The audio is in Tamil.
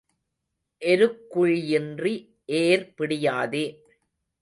எருக்குழியின்றி ஏர் பிடியாதே.